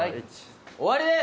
終わりです！